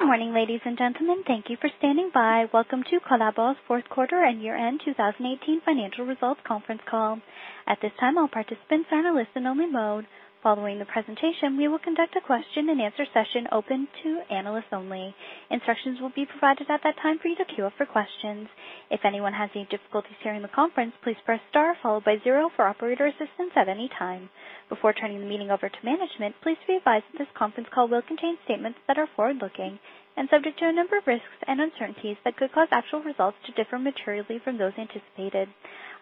Good morning, ladies and gentlemen. Thank you for standing by. Welcome to Colabor's Fourth Quarter and year-end 2018 financial results conference call. At this time, all participants are in listen-only mode. Following the presentation, we will conduct a question and answer session open to analysts only. Instructions will be provided at that time for you to queue up for questions. If anyone has any difficulties hearing the conference, please press star followed by zero for operator assistance at any time. Before turning the meeting over to management, please be advised that this conference call will contain statements that are forward-looking and subject to a number of risks and uncertainties that could cause actual results to differ materially from those anticipated.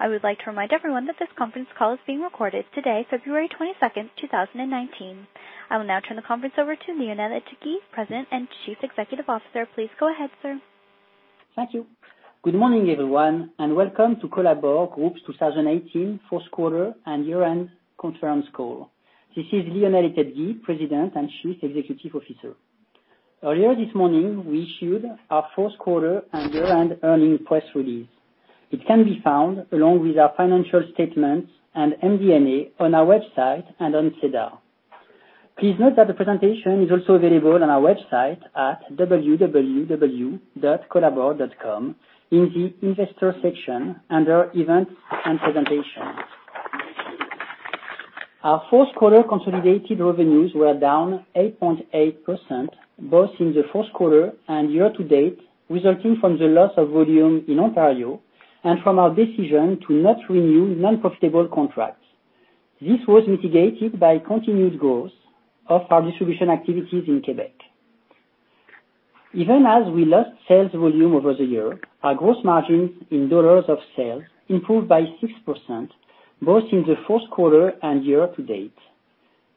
I would like to remind everyone that this conference call is being recorded today, February 22nd, 2019. I will now turn the conference over to Lionel Ettedgui, President and Chief Executive Officer. Please go ahead, sir. Thank you. Good morning, everyone, and welcome to Colabor Group's 2018 fourth quarter and year-end conference call. This is Lionel Ettedgui, President and Chief Executive Officer. Earlier this morning, we issued our fourth quarter and year-end earnings press release. It can be found along with our financial statements and MD&A on our website and on SEDAR. Please note that the presentation is also available on our website at www.colabor.com in the investor section under events and presentations. Our fourth quarter consolidated revenues were down 8.8% both in the fourth quarter and year to date, resulting from the loss of volume in Ontario and from our decision to not renew non-profitable contracts. This was mitigated by continued growth of our distribution activities in Quebec. Even as we lost sales volume over the year, our gross margin in dollars of sale improved by 6% both in the fourth quarter and year to date.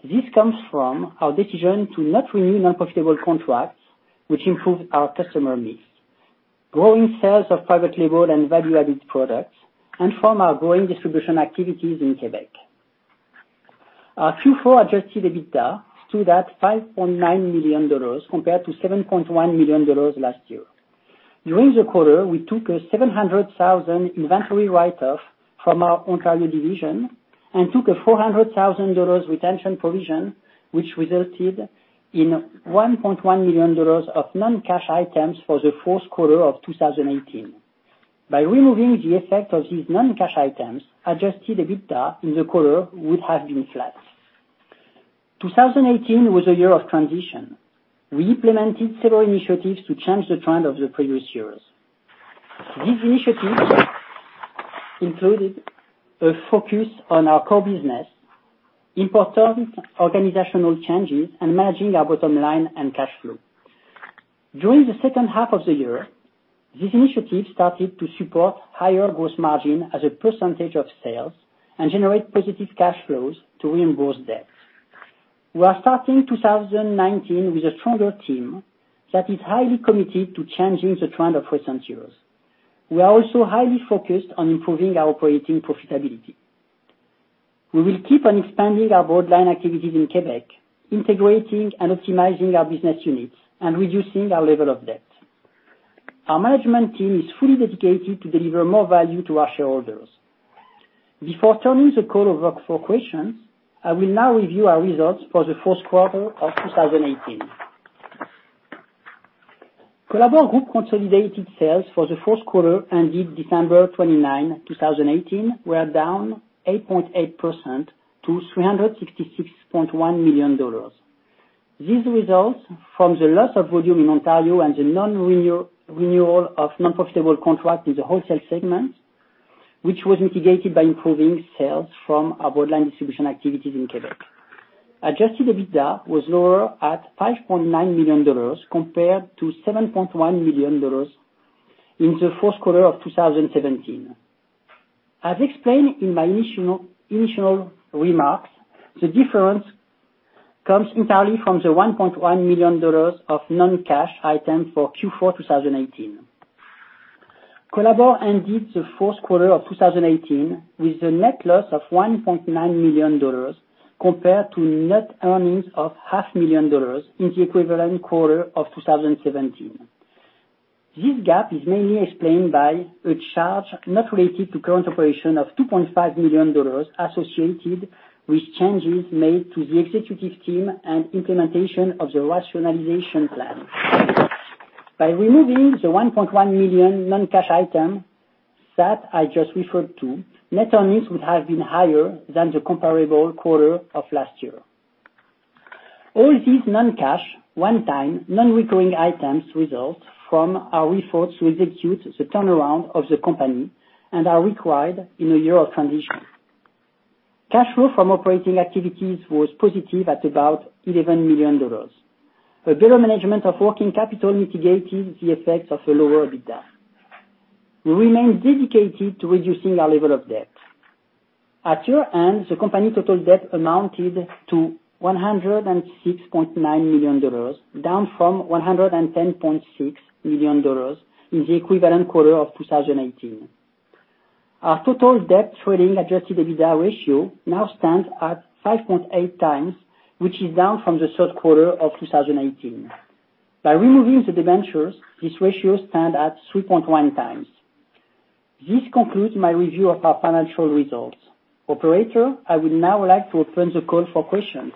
This comes from our decision to not renew non-profitable contracts which improved our customer mix. Growing sales of private label and value-added products and from our growing distribution activities in Quebec. Our Q4 adjusted EBITDA stood at $5.9 million compared to $7.1 million last year. During the quarter, we took a 700,000 inventory write-off from our Ontario division and took a $400,000 retention provision, which resulted in $1.1 million of non-cash items for the fourth quarter of 2018. By removing the effect of these non-cash items, adjusted EBITDA in the quarter would have been flat. 2018 was a year of transition. We implemented several initiatives to change the trend of the previous years. These initiatives included a focus on our core business, important organizational changes, and managing our bottom line and cash flow. During the second half of the year, these initiatives started to support higher gross margin as a percentage of sales and generate positive cash flows to reimburse debt. We are starting 2019 with a stronger team that is highly committed to changing the trend of recent years. We are also highly focused on improving our operating profitability. We will keep on expanding our broad line activities in Quebec, integrating and optimizing our business units, and reducing our level of debt. Our management team is fully dedicated to deliver more value to our shareholders. Before turning the call over for questions, I will now review our results for the fourth quarter of 2018. Colabor Group consolidated sales for the fourth quarter ended December 29, 2019, were down 8.8% to $366.1 million. These results from the loss of volume in Ontario and the non-renewal of non-profitable contracts in the wholesale segment, which was mitigated by improving sales from our broad line distribution activities in Quebec. Adjusted EBITDA was lower at $5.9 million compared to $7.1 million in the fourth quarter of 2017. As explained in my initial remarks, the difference comes entirely from the $1.1 million of non-cash items for Q4 2018. Colabor ended the fourth quarter of 2018 with a net loss of $1.9 million compared to net earnings of half million dollars in the equivalent quarter of 2017. This gap is mainly explained by a charge not related to current operation of $2.5 million associated with changes made to the executive team and implementation of the rationalization plan. By removing the $1.1 million non-cash item that I just referred to, net earnings would have been higher than the comparable quarter of last year. All these non-cash, one-time, non-recurring items result from our efforts to execute the turnaround of the company and are required in a year of transition. Cash flow from operating activities was positive at about $11 million. A better management of working capital mitigated the effects of the lower EBITDA. We remain dedicated to reducing our level of debt. At year-end, the company total debt amounted to $106.9 million, down from $110.6 million in the equivalent quarter of 2018. Our total debt trading adjusted EBITDA ratio now stands at 5.8x, which is down from the third quarter of 2018. By removing the debentures, this ratio stand at 3.1x. This concludes my review of our financial results. Operator, I would now like to open the call for questions.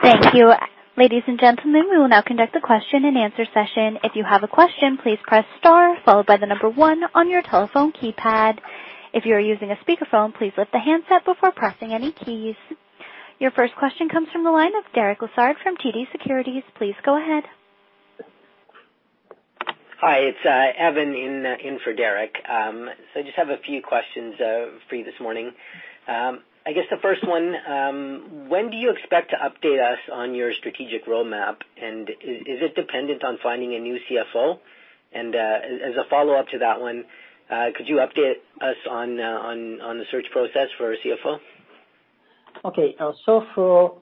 Thank you. Ladies and gentlemen, we will now conduct a question and answer session. If you have a question, please press star followed by the number one on your telephone keypad. If you are using a speakerphone, please lift the handset before pressing any keys. Your first question comes from the line of Derek Lessard from TD Securities. Please go ahead. Hi, it's Evan in for Derek. I just have a few questions for you this morning. I guess the first one, when do you expect to update us on your strategic roadmap, and is it dependent on finding a new CFO? As a follow-up to that one, could you update us on the search process for a CFO? Okay. For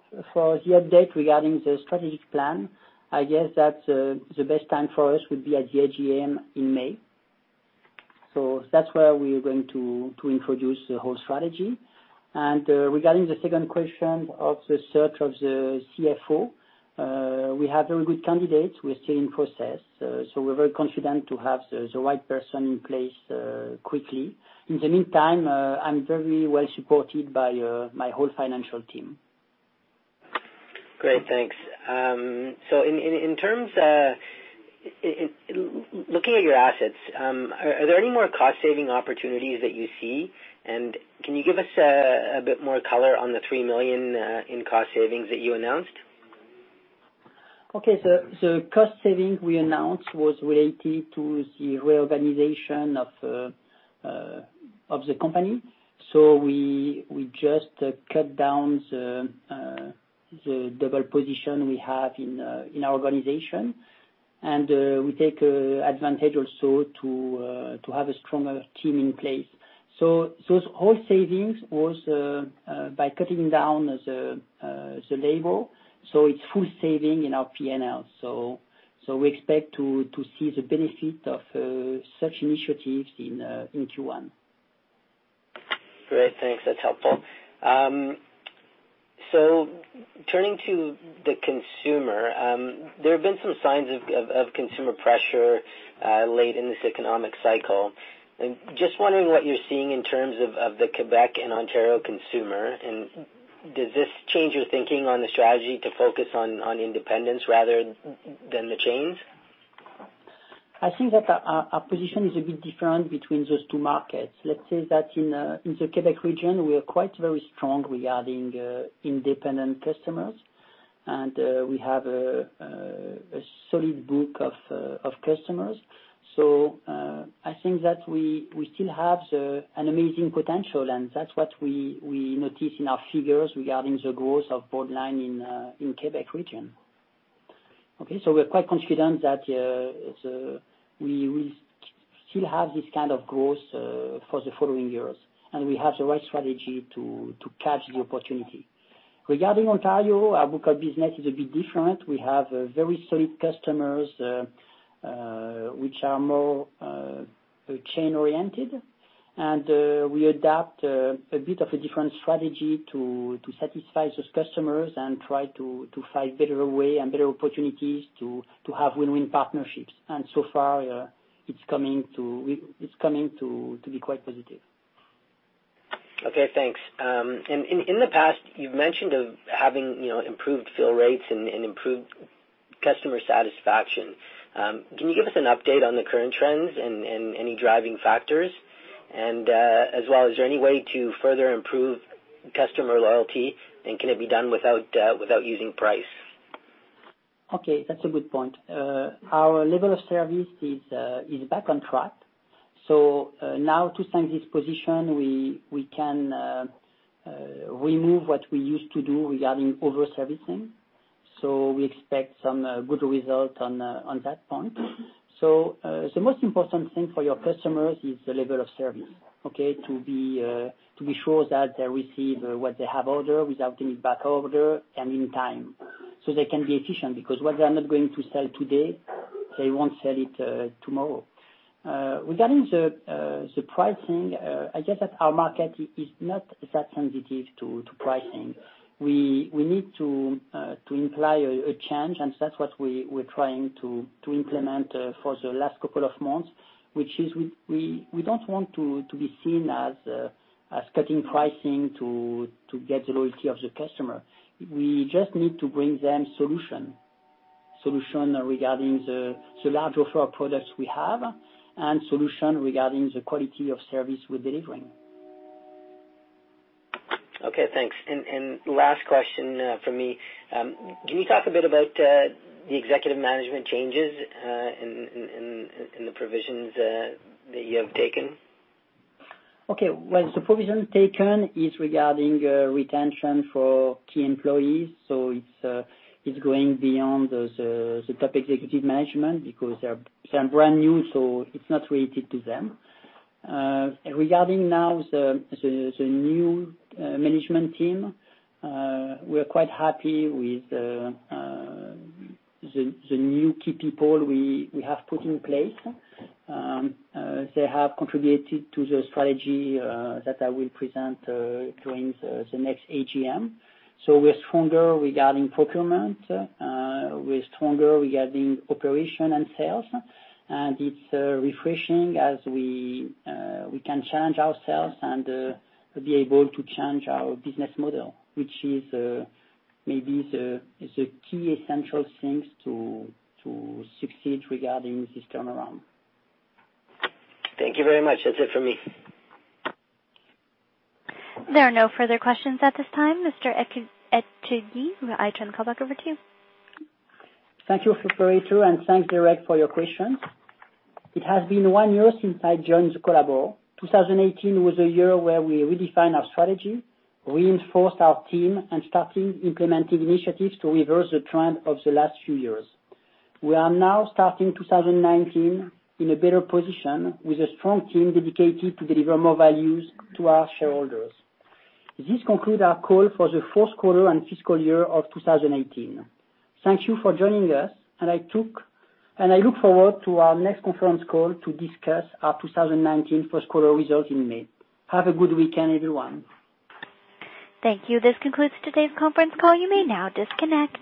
the update regarding the strategic plan, I guess that the best time for us would be at the AGM in May. That's where we're going to introduce the whole strategy. Regarding the second question of the search of the CFO, we have very good candidates. We're still in process. We're very confident to have the right person in place quickly. In the meantime, I'm very well supported by my whole financial team. Great. Thanks. In terms a, looking at your assets, are there any more cost-saving opportunities that you see? Can you give us a bit more color on the $3 million in cost savings that you announced? Okay. The cost saving we announced was related to the reorganization of the company. We just cut down the double position we have in our organization, and we take advantage also to have a stronger team in place. All savings was by cutting down the labor. It's full saving in our P&L. We expect to see the benefit of such initiatives in Q1. Great. Thanks. That's helpful. Turning to the consumer, there have been some signs of consumer pressure late in this economic cycle. Just wondering what you're seeing in terms of the Quebec and Ontario consumer, and does this change your thinking on the strategy to focus on independence rather than the chains? I think that our position is a bit different between those two markets. Let's say that in the Quebec region, we are quite very strong regarding independent customers, and we have a solid book of customers. I think that we still have an amazing potential, and that's what we notice in our figures regarding the growth of bottom line in Quebec region. Okay, so we're quite confident that we will still have this kind of growth for the following years, and we have the right strategy to catch the opportunity. Regarding Ontario, our book of business is a bit different. We have very solid customers, which are more chain-oriented, and we adapt a bit of a different strategy to satisfy those customers and try to find better way and better opportunities to have win-win partnerships. So far, it's coming to be quite positive. Okay, thanks. In the past, you've mentioned of having improved fill rates and improved customer satisfaction. Can you give us an update on the current trends and any driving factors? As well, is there any way to further improve customer loyalty, and can it be done without using price? Okay, that's a good point. Our level of service is back on track. Now to strengthen this position, we can remove what we used to do regarding over-servicing. We expect some good results on that point. The most important thing for your customers is the level of service, okay? To be sure that they receive what they have ordered without any back order and in time, so they can be efficient, because what they're not going to sell today, they won't sell it tomorrow. Regarding the pricing, I guess that our market is not that sensitive to pricing. We need to imply a change, and that's what we're trying to implement for the last couple of months, which is we don't want to be seen as cutting pricing to get the loyalty of the customer. We just need to bring them solution. Solution regarding the large offer of products we have and solution regarding the quality of service we're delivering. Okay, thanks. Last question from me. Can you talk a bit about the executive management changes and the provisions that you have taken? Okay. Well, the provision taken is regarding retention for key employees. It's going beyond the top executive management because they are brand new, so it's not related to them. Regarding now the new management team, we're quite happy with the new key people we have put in place. They have contributed to the strategy that I will present during the next AGM. We're stronger regarding procurement, we're stronger regarding operation and sales, and it's refreshing as we can change ourselves and be able to change our business model, which is maybe the key essential things to succeed regarding this turnaround. Thank you very much. That's it from me. There are no further questions at this time. Mr. Ettedgui, I turn the call back over to you. Thank you, operator, and thanks, Derek, for your questions. It has been one year since I joined Colabor. 2018 was a year where we redefined our strategy, reinforced our team, and started implementing initiatives to reverse the trend of the last few years. We are now starting 2019 in a better position with a strong team dedicated to deliver more values to our shareholders. This concludes our call for the fourth quarter and fiscal year of 2018. Thank you for joining us, and I look forward to our next conference call to discuss our 2019 first quarter results in May. Have a good weekend, everyone. Thank you. This concludes today's conference call. You may now disconnect.